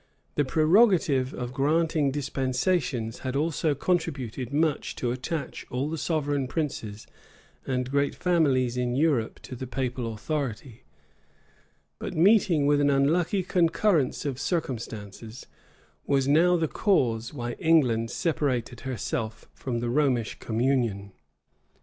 The prerogative of granting dispensations had also contributed much to attach all the sovereign princes and great families in Europe to the papal authority; but meeting with an unlucky concurrence of circumstances, was now the cause why England separated herself from the Romish communion.